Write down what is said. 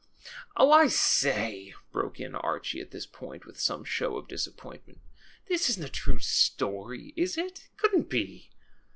^^Oh! I say," broke in Archie at this point, with some show of disappointment. This isn't a true story, is it? It couldn't be."